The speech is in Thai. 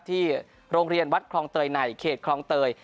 ที่โรงเรียนวัดคลองเตยในเขตคลองเตย